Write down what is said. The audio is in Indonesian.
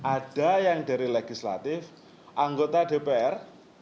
ada yang dari legislatif anggota dpr